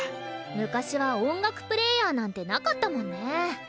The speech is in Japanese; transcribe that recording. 昔は音楽プレーヤーなんてなかったもんね。